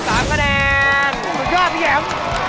สำคัญค่ะพี่แอม